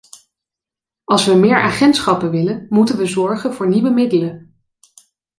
Als we meer agentschappen willen, moeten we zorgen voor nieuwe middelen.